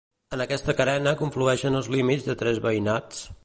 en aquesta carena conflueixen els límits de tres veïnats